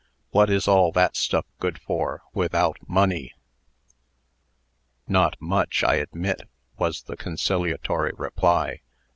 "What is all that stuff good for, without money?" "Not much, I admit," was the conciliatory reply.